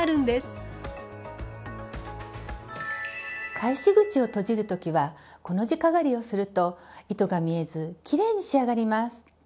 返し口を閉じる時はコの字かがりをすると糸が見えずきれいに仕上がります。